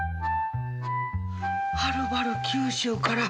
はるばる九州から？